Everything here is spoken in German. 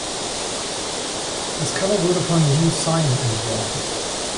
Das Cover wurde von Hugh Syme entworfen.